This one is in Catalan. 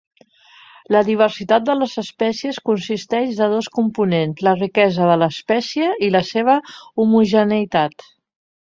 La diversitat de les espècies consisteix de dos components: la riquesa de l'espècie i la seva homogeneïtat.